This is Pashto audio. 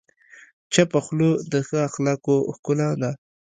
چپه خوله، د ښه اخلاقو ښکلا ده.